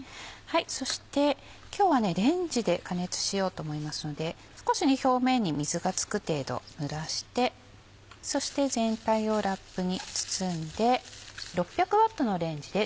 そして今日はレンジで加熱しようと思いますので少し表面に水が付く程度ぬらしてそして全体をラップに包んで。